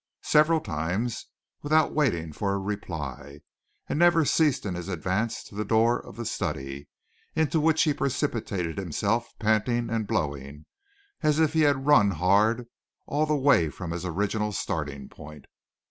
several times without waiting for a reply, and never ceased in his advance to the door of the study, into which he precipitated himself panting and blowing, as if he had run hard all the way from his original starting point.